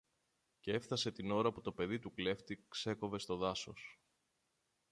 κι έφθασε την ώρα που το παιδί του κλέφτη ξέκοβε στο δάσος.